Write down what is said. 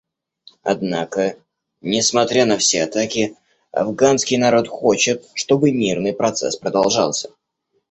Однако, несмотря на все атаки, афганский народ хочет, чтобы мирный процесс продолжался.